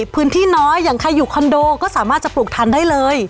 พื้นที่น้อยอย่างใครอยู่คอนโดก็สามารถจะปลูกทันได้เลย